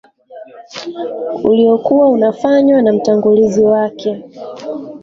Uliokuwa unafanywa na mtangulizi wake